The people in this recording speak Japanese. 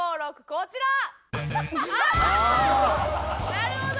なるほど！